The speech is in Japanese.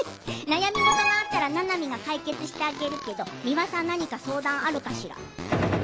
悩みごとがあったらななみが解決してあげるけど美輪さんは何か相談があるかしら？